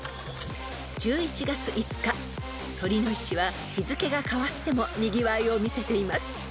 ［１１月５日酉の市は日付が変わってもにぎわいを見せています］